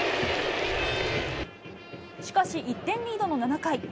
しかし、１点リードの７回。